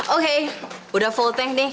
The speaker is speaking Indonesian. oke udah full tank nih